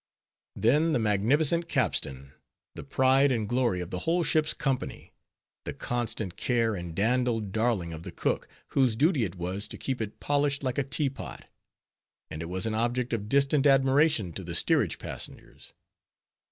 Then the magnificent capstan! The pride and glory of the whole ship's company, the constant care and dandled darling of the cook, whose duty it was to keep it polished like a teapot; and it was an object of distant admiration to the steerage passengers.